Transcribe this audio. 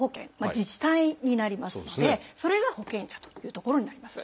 自治体になりますのでそれが保険者というところになります。